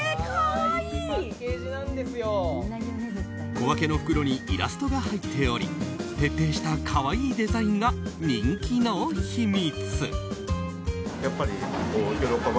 小分けの袋にイラストが入っており徹底した可愛いデザインが人気の秘密。